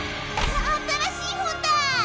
新しい本だ！